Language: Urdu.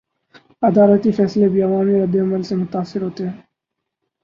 عدالتی فیصلے بھی عوامی ردعمل سے متاثر ہوتے ہیں؟